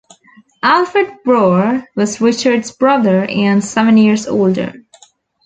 Alfred Brauer was Richard's brother and seven years older.